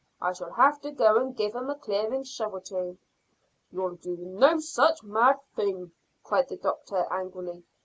I shall have to go and give 'em a clearing shove or two." "You'll do no such mad thing," cried the doctor angrily.